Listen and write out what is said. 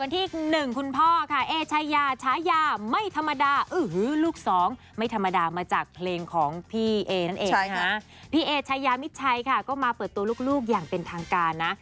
พี่เอชายยามิจฉัยค่ะก็มาเปิดตัวลูกอย่างเป็นทางการนะ